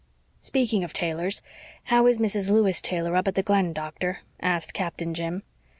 "Speaking of Taylors, how is Mrs. Lewis Taylor up at the Glen, doctor?" asked Captain Jim.